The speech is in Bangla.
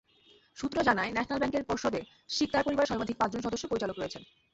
সূত্র জানায়, ন্যাশনাল ব্যাংকের পর্ষদে শিকদার পরিবারের সর্বাধিক পাঁচজন সদস্য পরিচালক রয়েছেন।